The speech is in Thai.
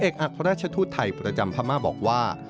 อัครราชทูตไทยประจำพม่าบอกว่า